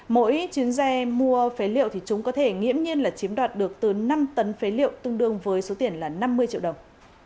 mỗi chuyến xe mua phế liệu thì chúng có thể nghiễm nhiên là chiếm đoạt được từ năm tấn phế liệu tương đương với số tiền là năm mươi triệu đồng